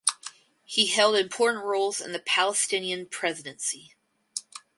He held important roles in the Palestinian presidency.